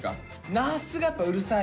那須がやっぱうるさい。